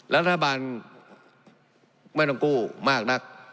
รัฐบาลไม่ต้องกู้มากนัก